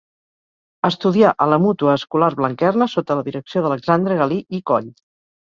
Estudià a la Mútua Escolar Blanquerna sota la direcció d'Alexandre Galí i Coll.